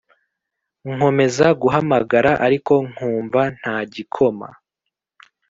nkomeza guhamagara ariko nkumva ntagikoma,